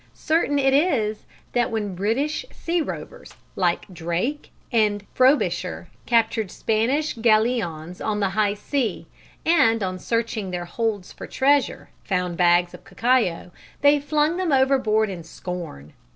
Certain it is, that when British sea rovers like Drake and Frobisher, captured Spanish galleons on the high seas, and on searching their holds for treasure, found bags of cacao, they flung them overboard in scorn.